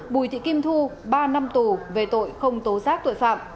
bùi thị kim thu ba năm tù về tội không tố giác tội phạm